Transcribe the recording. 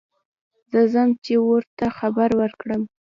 زه ځم چې ور ته خبر ور کړم.